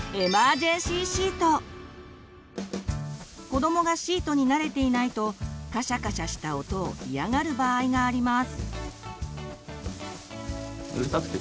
子どもがシートに慣れていないとカシャカシャした音を嫌がる場合があります。